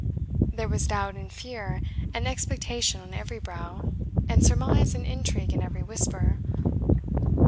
There was doubt, and fear, and expectation on every brow, and surmise and intrigue in every whisper.